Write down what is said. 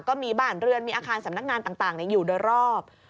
ก็มีบ้านเรือนมีอาคารสำนักงานต่างอยู่โดยรอบ